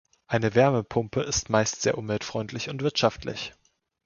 Eine Wärmepumpe ist meist sehr umweltfreundlich und wirtschaftlich.